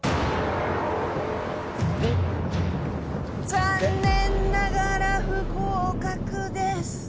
残念ながら不合格です。